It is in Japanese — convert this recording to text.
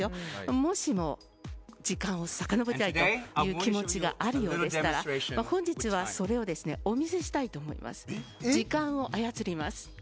もしも時間をさかのぼりたいという気持ちがあるようでしたら本日はそれをお見せしたいと思います。